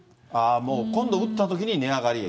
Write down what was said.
もう今度売ったときに値上がり益。